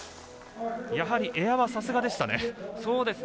やはりエアは、さすがでしたね。